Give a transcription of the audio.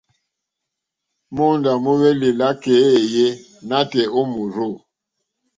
Móǒndá mówélì lìwòtéyá éèyé nǎtɛ̀ɛ̀ nǒ mòrzô.